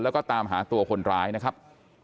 แล้วก็ตามหาตัวคนร้ายนะครับ